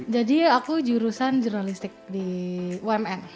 jadi aku jurusan jurnalistik di umn